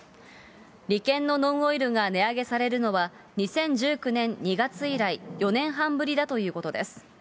リケンのノンオイルが値上げされるのは２０１９年２月以来、４年半ぶりだということです。